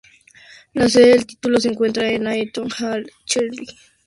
La sede del título se encuentra en Eaton Hall, Cheshire.